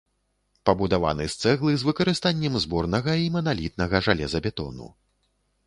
Пабудаваны з цэглы з выкарыстаннем зборнага і маналітнага жалезабетону.